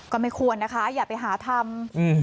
ก็ไม่ควรนะคะอย่าไปหาทำ